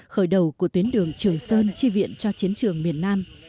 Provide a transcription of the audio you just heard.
khởi đầu của tuyến đường trường sơn chi viện cho chiến trường miền nam